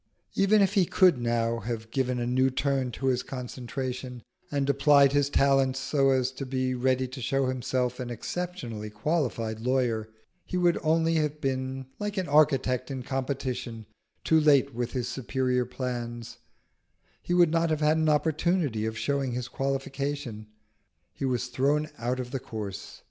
Even if he could now have given a new turn to his concentration, and applied his talents so as to be ready to show himself an exceptionally qualified lawyer, he would only have been like an architect in competition, too late with his superior plans; he would not have had an opportunity of showing his qualification. He was thrown out of the course.